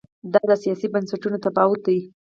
دا د سیاسي بنسټونو تفاوت دی.